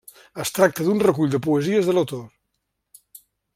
Es tracta d'un recull de poesies de l'autor.